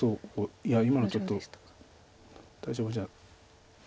いや今のちょっと大丈夫じゃ。